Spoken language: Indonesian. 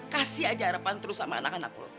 kasih aja harapan terus sama anak anak loh